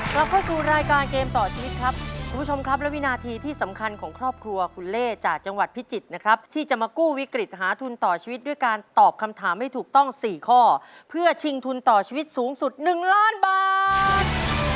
กลับเข้าสู่รายการเกมต่อชีวิตครับคุณผู้ชมครับและวินาทีที่สำคัญของครอบครัวคุณเล่จากจังหวัดพิจิตรนะครับที่จะมากู้วิกฤตหาทุนต่อชีวิตด้วยการตอบคำถามให้ถูกต้อง๔ข้อเพื่อชิงทุนต่อชีวิตสูงสุด๑ล้านบาท